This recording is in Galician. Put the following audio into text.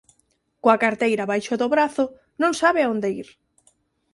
Coa carteira baixo do brazo, non sabe onde ir.